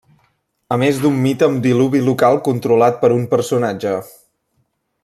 A més d'un mite amb diluvi local controlat per un personatge.